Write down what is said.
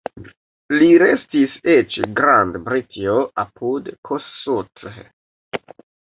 Li restis eĉ Grand-Britio apud Kossuth.